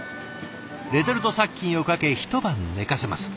レトルト殺菌をかけ一晩寝かせます。